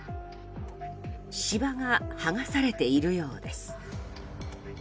芝が剥がされているようです。